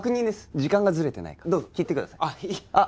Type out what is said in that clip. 時間がズレてないかどうぞ切ってくださいあっ！